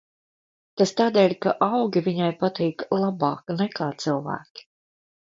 Tas tādēļ, ka augi viņai patīk labāk nekā cilvēki.